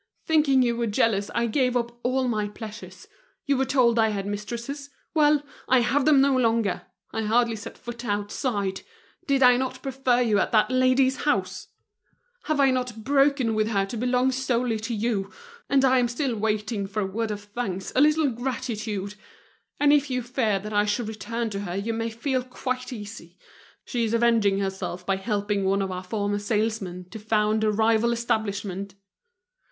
Thinking you were jealous, I gave up all my pleasures. You were told I had mistresses; well! I have them no longer; I hardly set foot outside. Did I not prefer you at that lady's house? have I not broken with her to belong solely to you? And I am still waiting for a word of thanks, a little gratitude. And if you fear that I should return to her, you may feel quite easy: she is avenging herself by helping one of our former salesmen to found a rival establishment.